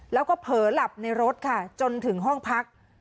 แล้วก็เผลอหลับในรถค่ะจนถึงห้องพัก